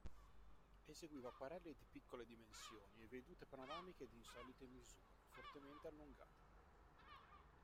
Eseguiva acquarelli di piccole dimensioni e vedute panoramiche d'insolite misure, fortemente allungate.